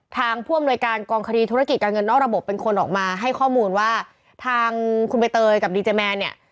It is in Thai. ผู้อำนวยการกองคดีธุรกิจการเงินนอกระบบเป็นคนออกมาให้ข้อมูลว่าทางคุณใบเตยกับดีเจแมนเนี่ย